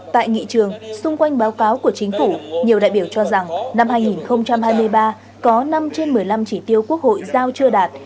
tại nghị trường xung quanh báo cáo của chính phủ nhiều đại biểu cho rằng năm hai nghìn hai mươi ba có năm trên một mươi năm chỉ tiêu quốc hội giao chưa đạt